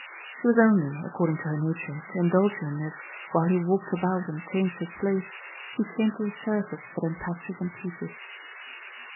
She was only, according to her nature, to indulge him if, while he walked about and changed his place, he came to the surface but in patches and pieces.